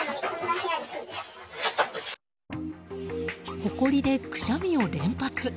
ほこりで、くしゃみを連発。